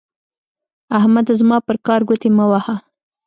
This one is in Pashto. احمده زما پر کار ګوتې مه وهه.